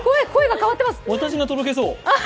私がとろけそう。